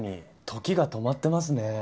時が止まってますね。